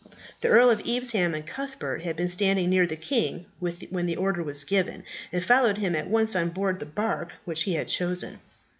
The Earl of Evesham and Cuthbert had been standing near the king when the order was given, and followed him at once on board the bark which he had chosen.